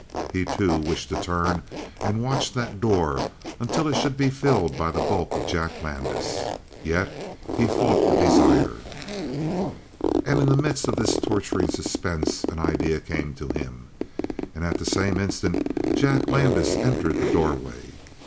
He, too, wished to turn and watch that door until it should be filled by the bulk of Jack Landis. Yet he fought the desire. And in the midst of this torturing suspense an idea came to him, and at the same instant Jack Landis entered the doorway.